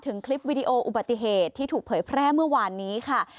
คลิปวิดีโออุบัติเหตุที่ถูกเผยแพร่เมื่อวานนี้ค่ะ